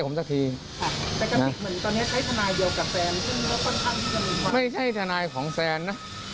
ไม่ใช่ทนายของแซนนะ